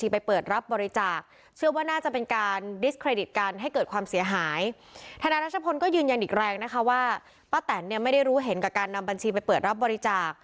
ป้าแตนเนี่ยไม่ได้รู้เห็นกับการนำบัญชีไปเปิดรับบริจาค